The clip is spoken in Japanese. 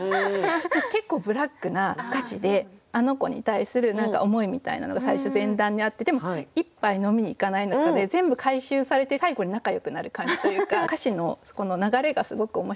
結構ブラックな歌詞で「あの子」に対する何か思いみたいなのが最初前段にあってでも「一杯飲みに行かないか」で全部回収されて最後に仲よくなる感じというか歌詞の流れがすごく面白いっていうのと。